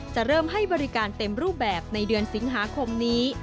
จะเริ่มให้บริการเต็มรูปแบบในเดือนสิงหาคมนี้